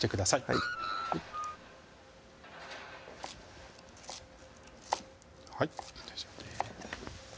はいはい大丈夫です